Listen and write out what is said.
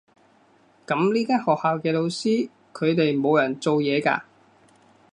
噉呢間學校嘅老師，佢哋冇人做嘢㗎？